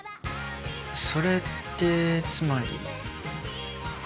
それってつまり？